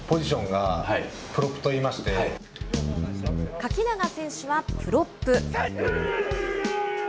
垣永選手はプロップ。